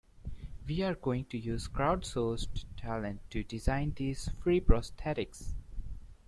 We're going to use crowdsourced talent to design these free prosthetics.